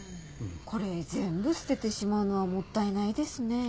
これ全部捨ててしまうのはもったいないですね。